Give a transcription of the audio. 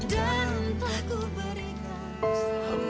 dan empah ku berikan